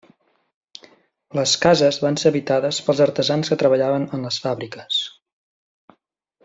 Les cases van ser habitades pels artesans que treballaven en les fàbriques.